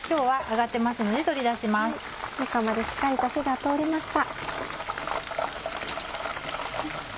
中までしっかりと火が通りました。